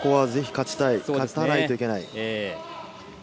勝たないといけない。